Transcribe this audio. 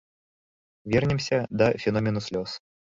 Вернемся да феномену слёз.